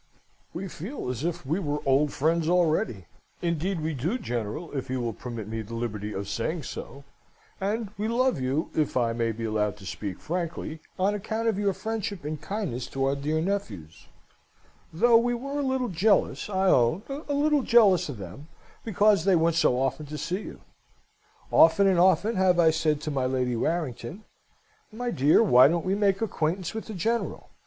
We feel as if we were old friends already; indeed we do, General, if you will permit me the liberty of saying so; and we love you, if I may be allowed to speak frankly, on account of your friendship and kindness to our dear nephews: though we were a little jealous, I own a little jealous of them, because they went so often to see you. Often and often have I said to my Lady Warrington, 'My dear, why don't we make acquaintance with the General?